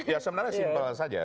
ya sebenarnya simpel saja